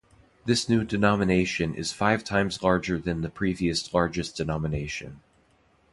This new denomination is five times larger than the previous largest denomination.